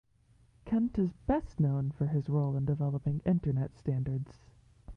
Kent is best known for his role in developing Internet standards.